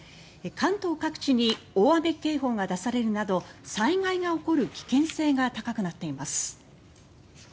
関東各地に大雨警報が出されるなど災害が起こる危険性が高くなっています。